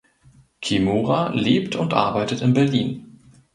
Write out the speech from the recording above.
Kimura lebt und arbeitet in Berlin.